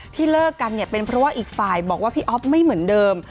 เลิกกันเนี่ยเป็นเพราะว่าอีกฝ่ายบอกว่าพี่อ๊อฟไม่เหมือนเดิม